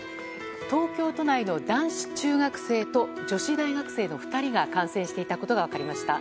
東京都内の男子中学生と女子大学生の２人が感染していたことが分かりました。